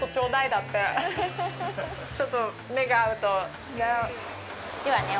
ちょっと目が合うとね。